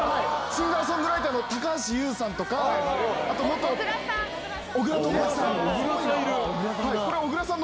シンガーソングライターの高橋優さんとか、あと、小倉さん。